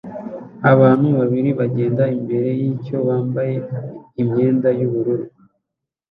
abantu babiri bagenda imbere yacyo bambaye imyenda yubururu